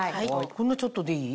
こんなちょっとでいい？